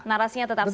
narasinya tetap sama